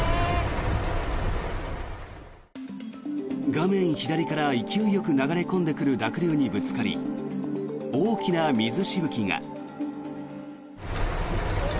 画面左から勢いよく流れ込んでくる濁流にぶつかり大きな水しぶきが。